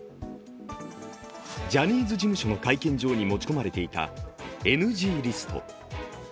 ジャニーズ事務所の会見場に持ち込まれていたＮＧリスト。